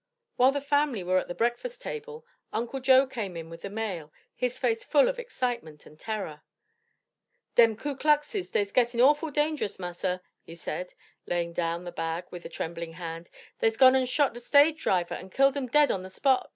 While the family were at the breakfast table, Uncle Joe came in with the mail, his face full of excitement and terror. "Dem Ku Kluxes dey's gettin' awful dangerous, Massa," he said, laying down the bag with a trembling hand, "dey's gone an' shot the stage drivah an' killed 'um dead on the spot.